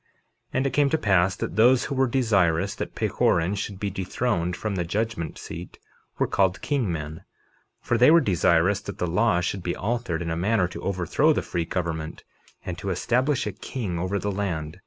51:5 And it came to pass that those who were desirous that Pahoran should be dethroned from the judgment seat were called king men, for they were desirous that the law should be altered in a manner to overthrow the free government and to establish a king over the land.